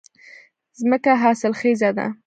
ځمکه حاصلخېزه ده